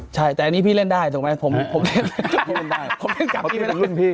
ใช่แต่อันนี้พี่เล่นได้ถูกไหมผมเล่นกับพี่ไม่ได้